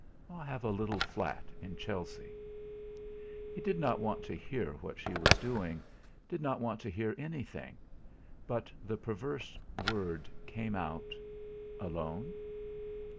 "I have a little flat in Chelsea." He did not want to hear what she was doing, did not want to hear anything; but the perverse word came out: "Alone?"